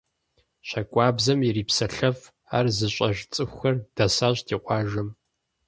ЩакӀуэбзэм ирипсэлъэф, ар зыщӀэж цӀыхухэр дэсащ ди къуажэм.